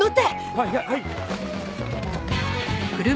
はいはい！